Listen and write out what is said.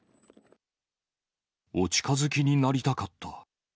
お近づきになりたかった。